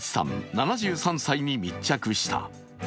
７３歳に密着した。